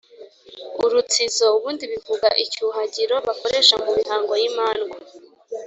Urutsizo: ubundi bivuga icyuhagiro bakoresha mu mihango y’imandwa.